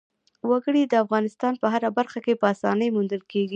وګړي د افغانستان په هره برخه کې په اسانۍ موندل کېږي.